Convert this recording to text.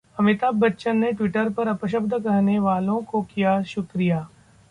अमिताभ बच्चन ने ट्विटर पर अपशब्द कहने वालों को किया शुक्रिया